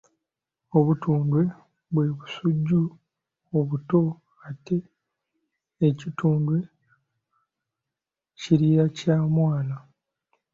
Obutundwe bwe busujju obuto ate ekitundwe kirira kya mwana.